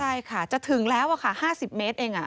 ใช่ค่ะจะถึงแล้วค่ะ๕๐เมตรเอง